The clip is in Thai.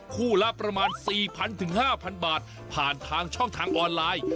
คู่ละประมาณ๔๐๐๕๐๐บาทผ่านทางช่องทางออนไลน์